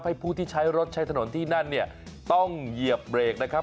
ผู้ที่ใช้รถใช้ถนนที่นั่นเนี่ยต้องเหยียบเบรกนะครับ